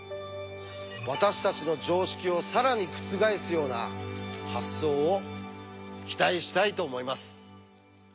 私たちの常識を更に覆すような発想を期待したいと思います。